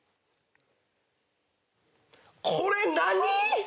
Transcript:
これ何？